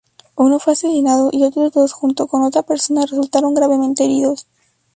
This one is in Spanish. Uno fue asesinado y otros dos, junto con otra persona, resultaron gravemente heridos.